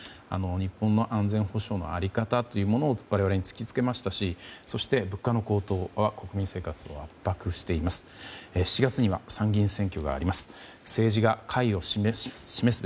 日本の安全保障の在り方を我々に突きつけましたしそして、物価の高騰は国民生活を圧迫しています。